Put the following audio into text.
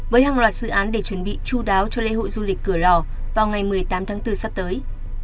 với hàng loạt dự án để chuẩn bị chú đáo cho lễ hội du lịch cửa lò vào ngày một mươi tám tháng bốn sắp tới